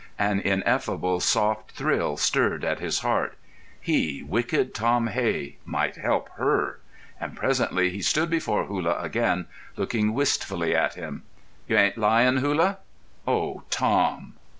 An ineffable, soft thrill stirred at his heart; he, wicked Tom Hey, might help her. And presently he stood before Hullah again, looking wistfully at him. "You ain't lying, Hullah?" "Oh, Tom!"